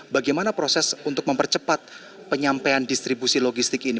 bagaimana proses untuk mempercepat penyampaian distribusi logistik ini